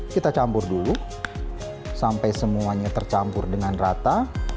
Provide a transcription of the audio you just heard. kita campur dulu sampai semuanya tercampur dengan rata